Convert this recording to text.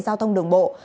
giao thông đường bộ